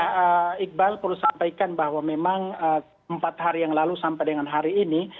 ya iqbal perlu sampaikan bahwa memang empat hari yang lalu sampai dengan hari ini